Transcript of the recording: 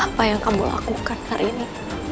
apa yang kamu lakukan hari ini